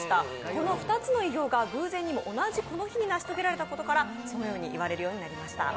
この２つの偉業が偶然にも同じこの日に成し遂げられたことからそのように言われるようになりました。